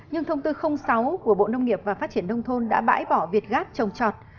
nhưng thông tư sáu của bộ nông nghiệp và phát triển nông thôn đã bãi bỏ việt gáp trồng trọt